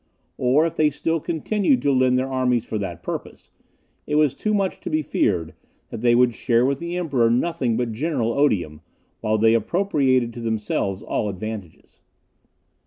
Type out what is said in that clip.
Or, if they still continued to lend their armies for that purpose, it was too much to be feared that they would share with the Emperor nothing but general odium, while they appropriated to themselves all advantages.